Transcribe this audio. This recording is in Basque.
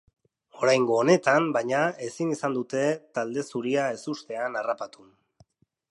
Oraingo honetan, baina, ezin izan dute talde zuria ezustean harrapatu.